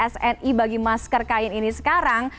sni bagi masker kain ini sekarang